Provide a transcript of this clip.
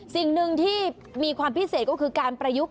สิ่งหนึ่งที่มีความพิเศษก็คือการประยุกต์